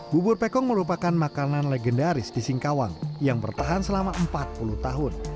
bubur pekong merupakan makanan legendaris di singkawang yang bertahan selama empat puluh tahun